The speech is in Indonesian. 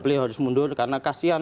beliau harus mundur karena kasian